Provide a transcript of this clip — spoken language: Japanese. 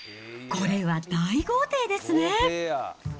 これは大豪邸ですね。